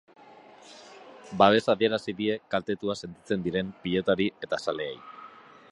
Babesa adierazi die kaltetuta sentitzen diren pilotari eta zaleei.